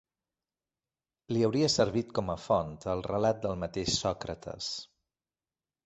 Li hauria servit com a font el relat del mateix Sòcrates.